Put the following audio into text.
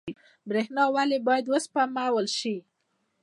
برښنا ولې باید وسپمول شي؟